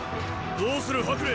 どうする白麗